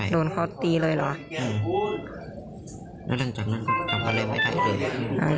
โดนเขาตีเลยหรอ